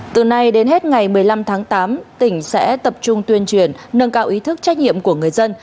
từ nay đến hết ngày một mươi năm tháng tám tỉnh sẽ tập trung tuyên truyền nâng cao ý thức trách nhiệm của người dân